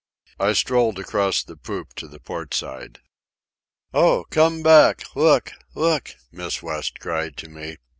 I strolled across the poop to the port side. "Oh! Come back! Look! Look!" Miss West cried to me.